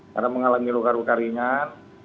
karena mengalami luka luka ringan